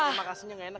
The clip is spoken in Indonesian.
makasih ya gak enak